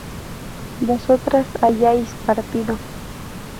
vosotras hayáis partido